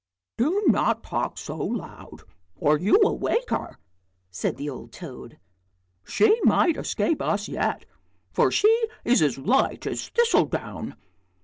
" Do not talk so loud or you will wake her," said the old toad; " she might escape us yet, for she is as light as thistle down!